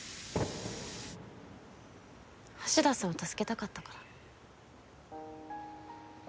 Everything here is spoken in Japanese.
橋田さんを助けたかったから。